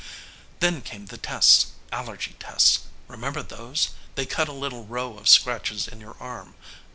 "Then came the tests, allergy tests. Remember those? They'd cut a little row of scratches in your arm